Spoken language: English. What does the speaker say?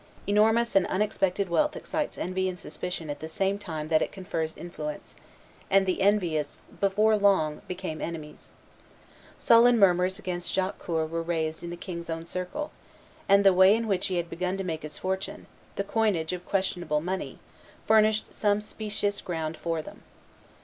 Enormous and unexpected wealth excites envy and suspicion at the same time that it confers influence; and the envious before long become enemies. Sullen murmurs against Jacques Coeur were raised in the king's own circle; and the way in which he had begun to make his fortune the coinage of questionable money furnished some specious ground for them.